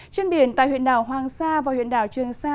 trên biển tại huyện đảo hoàng sa và huyện đảo trường sa